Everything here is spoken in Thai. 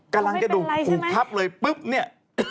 กำลังจะดูคลับเลยปึ๊บนี่